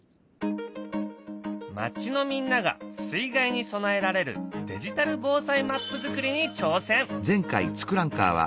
町のみんなが水害に備えられるデジタル防災マップ作りに挑戦！